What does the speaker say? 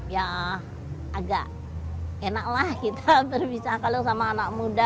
ya agak enaklah kita berbicara sama anak muda